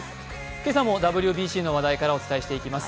今朝もＷＢＣの話題からお伝えしていきます。